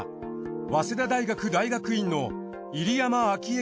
早稲田大学大学院の入山章栄